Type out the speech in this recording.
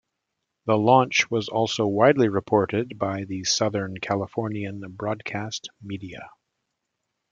The launch was also widely reported by the Southern Californian broadcast media.